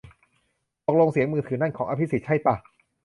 ตกลงเสียงมือถือนั่น ของอภิสิทธิ์ใช่ป่ะ